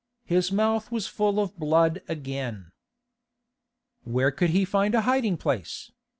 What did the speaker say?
His mouth was full of blood again. Where could he find a hiding place?